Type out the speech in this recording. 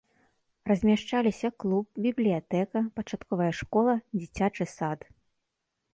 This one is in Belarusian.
Размяшчаліся клуб, бібліятэка, пачатковая школа, дзіцячы сад.